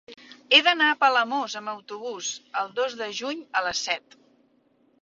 He d'anar a Palamós amb autobús el dos de juny a les set.